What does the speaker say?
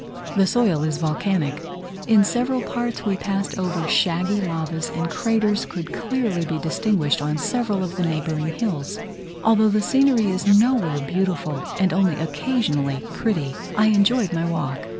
The soil is volcanic; in several parts we passed over shaggy lavas, and craters could clearly be distinguished on several of the neighbouring hills. Although the scenery is nowhere beautiful, and only occasionally pretty, I enjoyed my walk.